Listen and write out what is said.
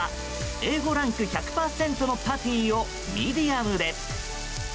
Ａ５ランク１００％のパティをミディアムで。